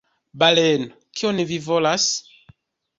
Baleno: "Kion vi volas?"